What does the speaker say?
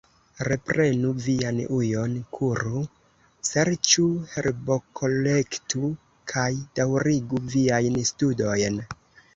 Reprenu vian ujon, kuru, serĉu, herbokolektu, kaj daŭrigu viajn studojn.